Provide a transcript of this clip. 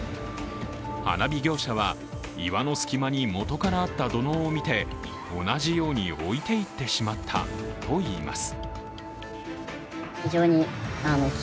花火業者は岩の隙間にもとからあった土のうを見て同じように置いていってしまったと言います。